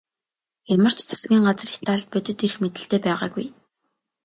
Ямар ч засгийн газар Италид бодит эрх мэдэлтэй байгаагүй.